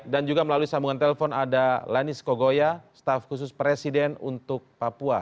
dan juga melalui sambungan telepon ada lenis kogoya staff khusus presiden untuk papua